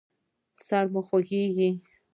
سر مو خوږیږي؟